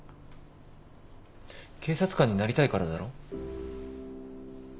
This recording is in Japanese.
警察官になりたいからだろ？